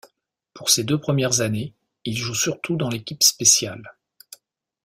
Pour ses deux premières années, il joue surtout dans l'équipe spéciale.